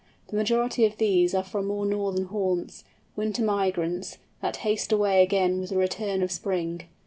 The majority of these are from more northern haunts, winter migrants, that haste away again with the return of spring.